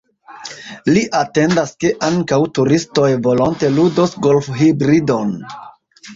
Li atendas, ke ankaŭ turistoj volonte ludos golfhibridon.